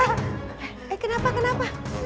eh kenapa kenapa